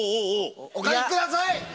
お書きください！